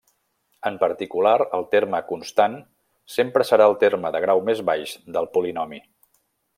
En particular, el terme constant sempre serà el terme de grau més baix del polinomi.